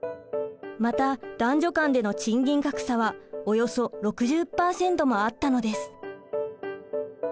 また男女間での賃金格差はおよそ６０％もあったのです。